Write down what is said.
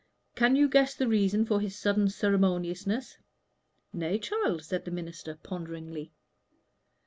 Can you guess the reason of his sudden ceremoniousness?" "Nay, child," said the minister, ponderingly.